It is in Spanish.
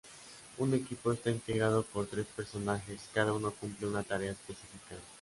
Un equipo está integrado por tres personajes, cada uno cumple una tarea específica.